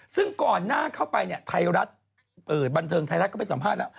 ซึ่งก่อนหน้าเข้าไปเนี่ยไทยรัฐบันเทิงไทยรัฐก็ไปสัมภาษณ์แล้ว